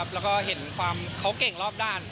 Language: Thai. แล้วก็เห็นความเขาเก่งรอบด้าน